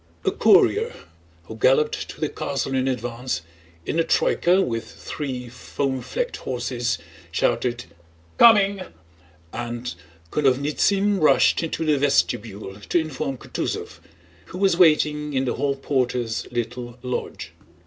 A courier who galloped to the castle in advance, in a troyka with three foam flecked horses, shouted "Coming!" and Konovnítsyn rushed into the vestibule to inform Kutúzov, who was waiting in the hall porter's little lodge.